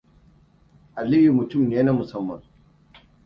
Aliyu mutum ne na musamman.